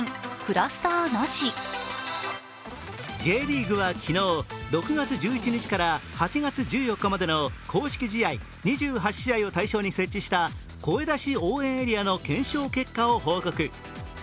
Ｊリーグは昨日、６月１１日から８月１４日までの公式試合２８試合を対象に設置した声出し応援エリアの検証結果を報告。